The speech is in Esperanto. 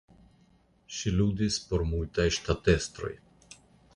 Ŝi ludis por multaj ŝtatestroj.